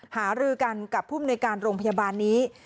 หารือกันกับผู้มนุยการโรงพยาบาลนี้